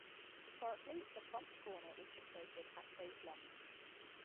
Historically, the prompt corner was situated at stage left.